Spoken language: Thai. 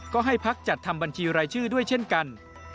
ก็ให้พักจัดทำบัญชีรายชื่อด้วยเช่นกัน